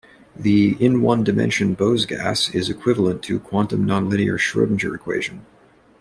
The In one dimension Bose gas is equivalent to quantum non-linear Schroedinger equation.